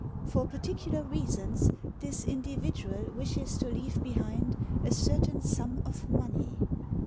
For particular reasons this individual wishes to leave behind a certain sum of money.